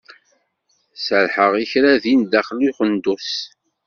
Serḥeɣ i kra din daxel n uxendus.